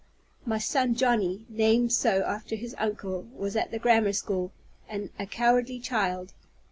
My son Johnny, named so after his uncle, was at the grammar school, and a cowardly child.